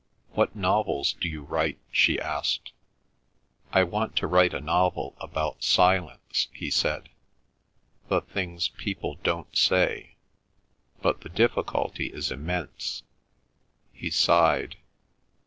"What novels do you write?" she asked. "I want to write a novel about Silence," he said; "the things people don't say. But the difficulty is immense." He sighed.